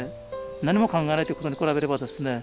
何も考えないということに比べればですね